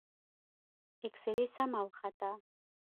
اكسرې سمه وخته.